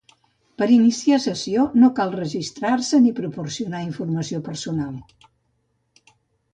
Per iniciar sessió no cal registrar-se ni proporcionar informació personal.